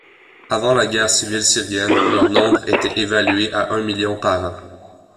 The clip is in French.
Avant la guerre civile syrienne, leur nombre était évalué à un million par an.